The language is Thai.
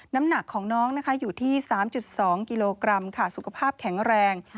น้ำหนักของน้องนะคะอยู่ที่๓๒กิโลกรัมค่ะสุขภาพแข็งแรง